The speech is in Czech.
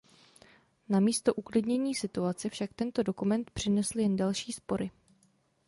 Namísto uklidnění situace však tento dokument přinesl jen další spory.